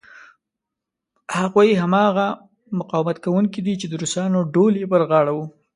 هغوی هماغه مقاومت کوونکي دي چې د روسانو ډول یې پر غاړه و.